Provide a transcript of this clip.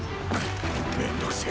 面倒くせェ。